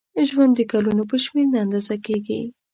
ژوند د کلونو په شمېر نه اندازه کېږي.